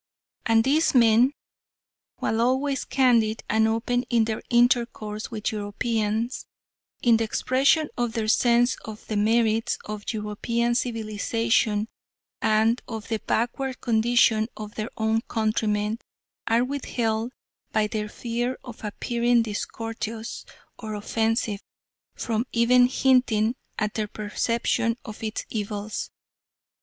And these men, while always candid and open in their intercourse with Europeans in the expression of their sense of the merits of European civilisation, and of the backward condition of their own countrymen, are withheld, by their fear of appearing discourteous or offensive, from even hinting at their perception of its evils.